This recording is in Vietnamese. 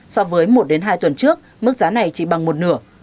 so với một hai tuần trước mức giá này chỉ bằng một nửa